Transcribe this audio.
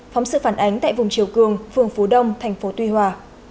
phóng sự phản ánh tại vùng chiều cường phường phú đông thành phố tuy hòa